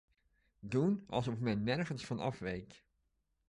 Doen alsof men nergens van afweet.